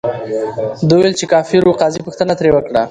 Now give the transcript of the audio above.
ده ویل، چې کافر ؤ. قاضي پوښتنه ترې وکړه،